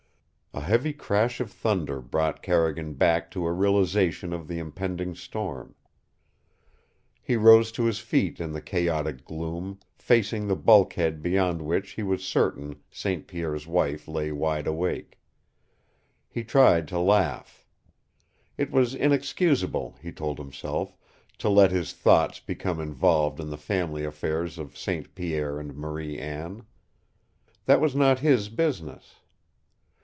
A heavy crash of thunder brought Carrigan back to a realization of the impending storm. He rose to his feet in the chaotic gloom, facing the bulkhead beyond which he was certain St. Pierre's wife lay wide awake. He tried to laugh. It was inexcusable, he told himself, to let his thoughts become involved in the family affairs of St. Pierre and Marie Anne. That was not his business.